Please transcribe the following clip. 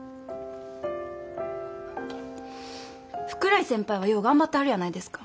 福来先輩はよう頑張ってはるやないですか。